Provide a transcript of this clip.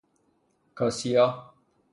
کاسیا